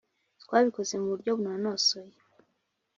Twabikoze mu buryo bunonosoye